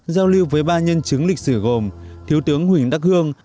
giao lưu với ba nhân chứng lịch sử gồm thiếu tướng huỳnh đắc hương